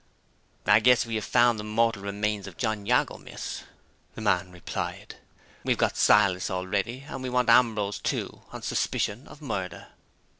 "I guess we've found the mortal remains of John Jago, miss," the man replied. "We have got Silas already, and we want Ambrose too, on suspicion of murder."